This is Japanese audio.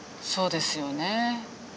そうですよね。